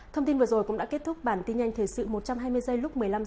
thông tin vừa rồi cũng đã kết thúc bản tin nhanh thời sự một trăm hai mươi giây lúc một mươi năm h